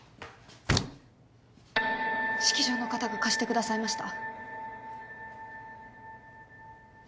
式場の方が貸してくださいました。